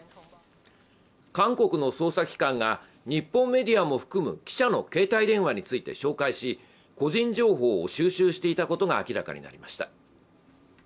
韓国の捜査機関が日本メディアも含む記者の携帯電話について照会し、個人情報を収集していたことが明らかになりました。